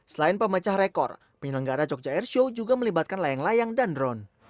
selain pemecah rekor penyelenggara jogja airshow juga melibatkan layang layang dan drone